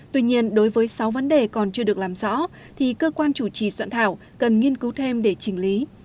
tuy nhiên đối với sáu vấn đề còn chưa được làm rõ thì cơ quan chủ trì soạn thảo cần nghiên cứu thêm để chỉnh lý